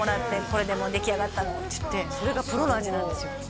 「これでもう出来上がったの」って言ってそれがプロの味なんですよ